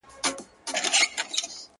بېشكه الله تعالی ښه اورېدونكى، ښه لیدونكى دى